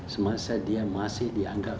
semasa dia masih dianggap